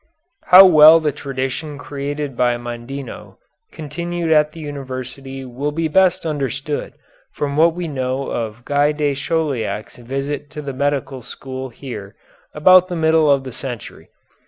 How well the tradition created by Mondino continued at the university will be best understood from what we know of Guy de Chauliac's visit to the medical school here about the middle of the century.